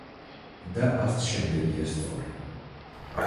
და არც შემდეგია სწორი.